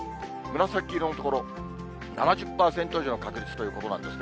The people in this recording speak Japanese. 紫色の所、７０％以上の確率ということなんですね。